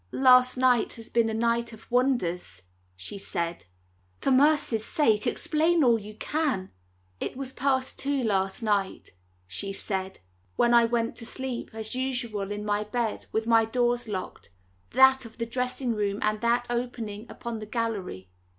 "Last night has been a night of wonders," she said. "For mercy's sake, explain all you can." "It was past two last night," she said, "when I went to sleep as usual in my bed, with my doors locked, that of the dressing room, and that opening upon the gallery.